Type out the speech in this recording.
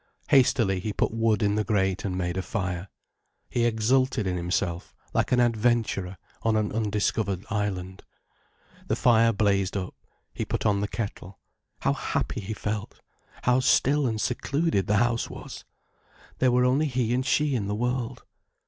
Hastily he put wood in the grate and made a fire. He exulted in himself, like an adventurer on an undiscovered island. The fire blazed up, he put on the kettle. How happy he felt! How still and secluded the house was! There were only he and she in the world.